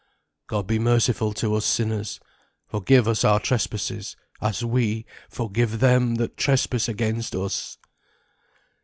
"God be merciful to us sinners. Forgive us our trespasses as we forgive them that trespass against us."